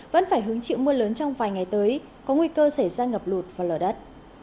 vẫn phải hứng chịu mưa lớn trong vài ngày tới có nguy cơ xảy ra ngập lụt và lở đất